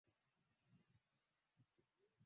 Uhusiano kati ya Tanzania na Kenya haujawahi kuwa rahisi